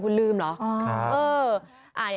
คุณลืมเหรอ